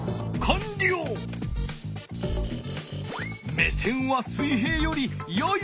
目線は水平よりやや上。